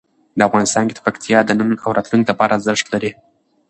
افغانستان کې پکتیا د نن او راتلونکي لپاره ارزښت لري.